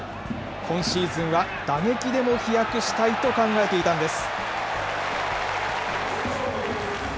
今シーズンは、打撃でも飛躍したいと考えていたんです。